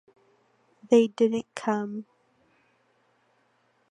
They didn’t come.